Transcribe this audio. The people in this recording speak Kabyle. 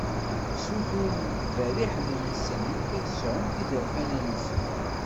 Ssuturen deg yiberriḥen-nsent ad sɛunt izerfan-nsent.